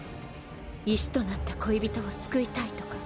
石となった恋人を救いたいとか。